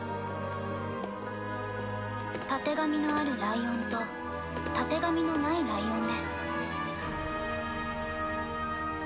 たてがみのあるライオンとたてがみのないライオンです。